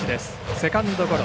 セカンドゴロ。